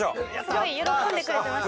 すごい喜んでくれてました。